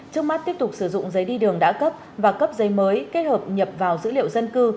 trước mắt tiếp tục sử dụng giấy đi đường đã cấp và cấp giấy mới kết hợp nhập vào dữ liệu dân cư